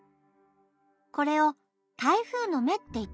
これを「台風のめ」っていってね。